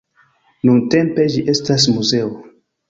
Nuntempe ĝi estas muzeo.